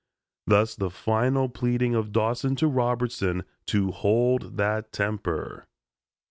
Thus the final pleading of Dawson to Robertson to "hold that temper."